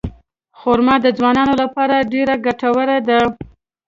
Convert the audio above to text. خرما د ځوانانو لپاره ډېره ګټوره ده.